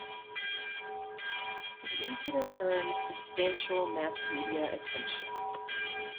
The incident earned substantial mass media attention.